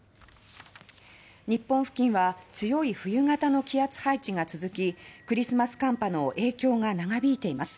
日本付近は強い冬型の気圧配置が続きクリスマス寒波の影響が長引いています。